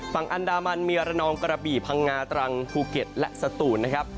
ฝั่งอันดามันมีระนองกระบี่พังงาตรังภูเก็ตและสตูนนะครับ